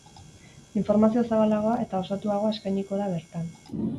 Informazio zabalagoa eta osatuagoa eskainiko da bertan.